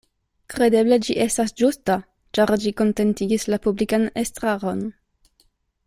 Kredeble ĝi estas ĝusta, ĉar ĝi kontentigis la publikan estraron.